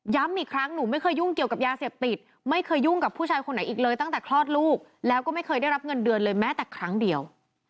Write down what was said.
อีกครั้งหนูไม่เคยยุ่งเกี่ยวกับยาเสพติดไม่เคยยุ่งกับผู้ชายคนไหนอีกเลยตั้งแต่คลอดลูกแล้วก็ไม่เคยได้รับเงินเดือนเลยแม้แต่ครั้งเดียว